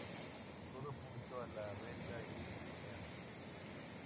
Todo junto a la belga Elise Mertens.